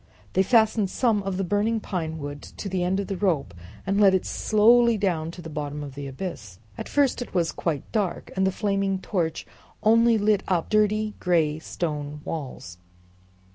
They fastened some of the burning pine wood to the end of the rope and let it slowly down to the bottom of the abyss. At first it was quite dark, and the flaming torch only lit up dirty gray stone walls.